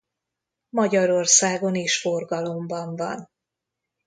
Magyarországon is forgalomban van.